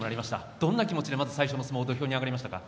どんな気持ちでまず最初の土俵に上がりましたか。